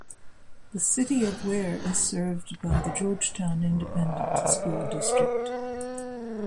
The City of Weir is served by the Georgetown Independent School District.